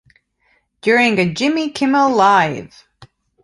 During a Jimmy Kimmel Live!